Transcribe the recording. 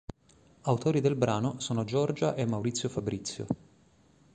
Autori del brano sono Giorgia e Maurizio Fabrizio.